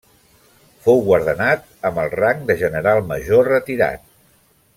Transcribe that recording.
Fou guardonat amb el rang de General Major retirat.